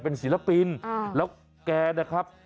เป็นศิลปินแล้วแกนะครับ